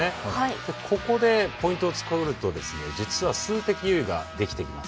ここでポイントを作ると、実は数的優位ができてきます。